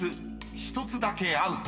［１つだけアウト。